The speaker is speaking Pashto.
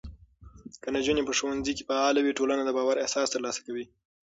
که نجونې په ښوونځي کې فعاله وي، ټولنه د باور احساس ترلاسه کوي.